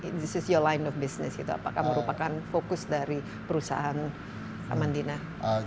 this is your line of business gitu apakah merupakan fokus dari perusahaan amandina